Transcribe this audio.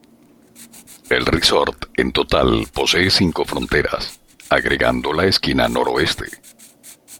El resort en total posee cinco fronteras, agregando la esquina noroeste.